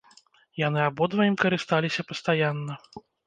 Яны абодва ім карысталіся пастаянна.